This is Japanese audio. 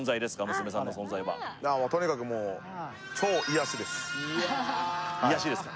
娘さんの存在はとにかくもう癒やしですか